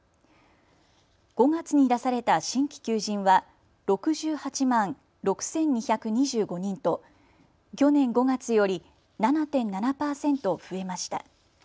５月に出された新規求人は６８万６２２５人と去年５月より７．７％増えました。